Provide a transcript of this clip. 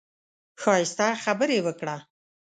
ښايسته خبرې وکړه.